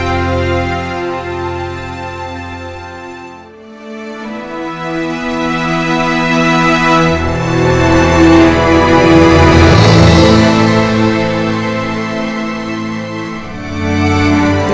kanda harus bisa mengutamakan rencana kita daripada